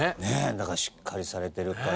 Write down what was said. だからしっかりされてるから。